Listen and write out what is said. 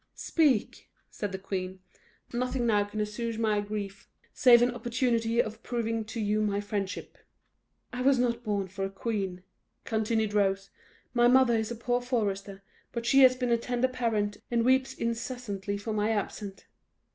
"Speak," said the queen; "nothing now can assuage my grief, save an opportunity of proving to you my friendship." "I was not born for a queen," continued Rose. "My mother is a poor forester, but she has been a tender parent, and weeps incessantly for my absence."